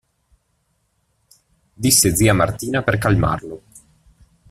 Disse zia Martina per calmarlo.